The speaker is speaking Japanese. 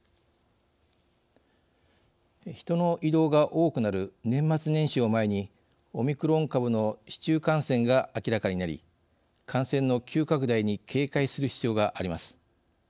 人の移動が多くなる年末年始を前にオミクロン株の市中感染が明らかになり感染の急拡大に警戒する必要があります。